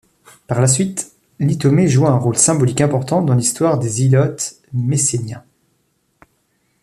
Par la suite, l'Ithômé joua un rôle symbolique important dans l'histoire des Hilotes messéniens.